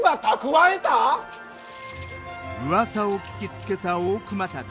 うわさを聞きつけた大隈たち。